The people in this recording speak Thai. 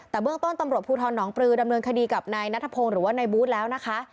แต่เบื้องต้นตำรวจภูทรหนองปลือดำเนินคดีกับนายนัทพงศ์หรือว่านายบูธแล้วนะคะ